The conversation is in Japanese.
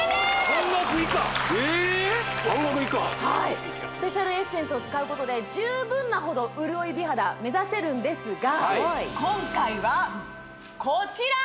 半額以下えっ半額以下スペシャルエッセンスを使うことで十分なほど潤い美肌目指せるんですが今回はこちら！